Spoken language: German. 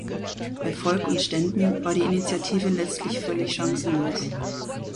Bei Volk und Ständen war die Initiative letztlich völlig chancenlos.